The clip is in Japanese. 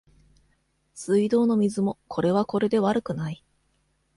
水道の水もこれはこれで悪くない